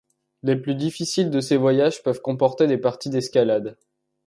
Les plus difficiles de ces voyages peuvent comporter des parties d'escalade.